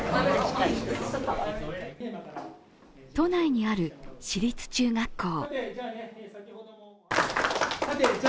都内にある私立中学校。